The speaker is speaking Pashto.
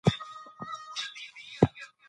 ښه اخلاق د جنت لاره ده.